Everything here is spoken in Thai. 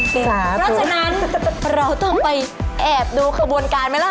เพราะฉะนั้นเราต้องไปแอบดูขบวนการไหมล่ะ